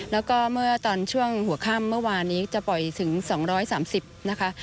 แล้วก็เมื่อตอนช่วงหัวค่ำเมื่อวานนี้จะปล่อยถึง๒๓๐นะคะ